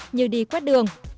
như đi quét đường